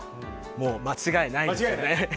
間違いないですね。